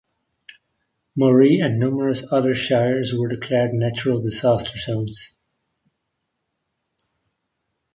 Moree and numerous other shires were declared natural disaster zones.